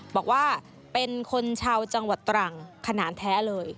บอกว่าเป็นคนชาวจังหวัดตรังขนาดแท้เลย